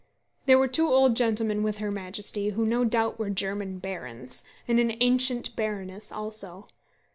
There were two old gentlemen with her Majesty, who, no doubt, were German barons, and an ancient baroness also.